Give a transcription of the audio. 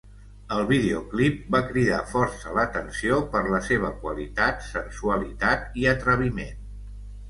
El videoclip va cridar força l'atenció per la seva qualitat, sensualitat i atreviment.